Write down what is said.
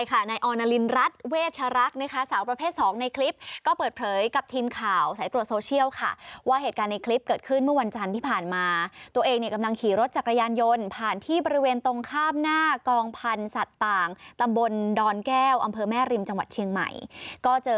ขณะที่เขาเก็บกระเป๋าตังสีแดงตกข้างถนนแล้วก็ขี่รถจักรยานยนต์ย้อนกลับมาส่งคืนให้ทุกคนได้นะคะ